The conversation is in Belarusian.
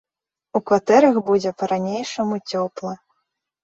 У кватэрах будзе па-ранейшаму цёпла.